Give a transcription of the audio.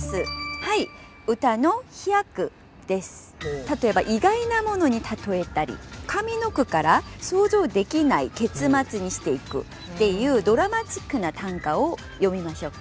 例えば意外なものに例えたり上の句から想像できない結末にしていくっていうドラマチックな短歌を詠みましょうか。